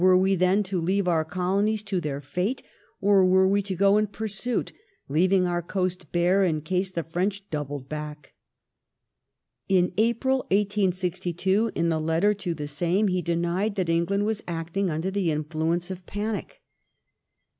Were we then to leave our colonies to their fate, or were we to go in pursuit, leaving our coast bare in case the French doubled back ? In April 1862, in a letter to the same, he denied that England was acting under the influence of panic.